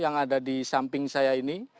yang ada di samping saya ini